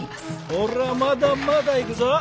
俺はまだまだいくぞ。